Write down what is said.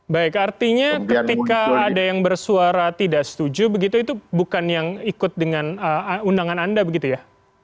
baik artinya ketika ada yang bersuara tidak setuju begitu itu bukan yang ikut dengan undangan anda begitu ya